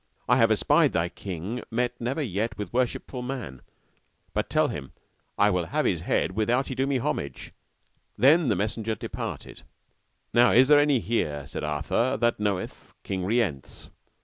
I have espied thy king met never yet with worshipful man, but tell him, I will have his head without he do me homage. Then the messenger departed. Now is there any here, said Arthur, that knoweth King Rience?